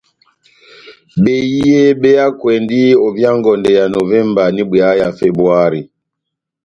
Behiye be hakwɛndi ovia ngondɛ ya Novemba n'ibwea ya Febuari.